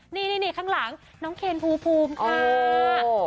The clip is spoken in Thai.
นี่ข้างหลังน้องเคนภูมิค่ะ